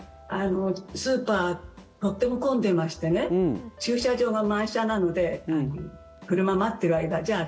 スーパーとっても混んでまして駐車場が満車なので車、待ってる間じゃあ